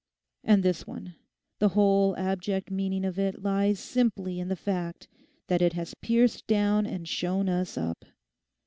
And this one—the whole abject meaning of it lies simply in the fact that it has pierced down and shown us up.